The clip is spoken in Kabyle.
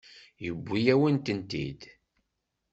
Yewwi-yawen-ten-id.